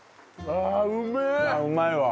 あうまいわ。